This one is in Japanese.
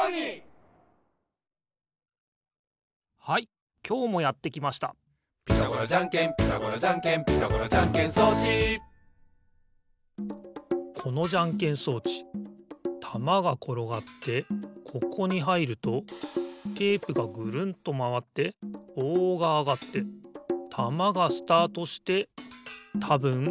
はいきょうもやってきました「ピタゴラじゃんけんピタゴラじゃんけん」「ピタゴラじゃんけん装置」このじゃんけん装置たまがころがってここにはいるとテープがぐるんとまわってぼうがあがってたまがスタートしてたぶんグーがでる。